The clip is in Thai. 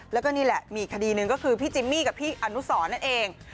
แล้วก็นี่แหละมีอีกคดีหนึ่งก็คือพี่จิมมี่กับพี่อนุสรนั่นเอง